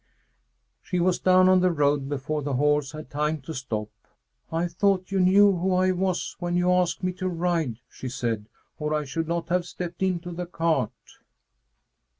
She was down on the road before the horse had time to stop. "I thought you knew who I was when you asked me to ride," she said, "or I should not have stepped into the cart."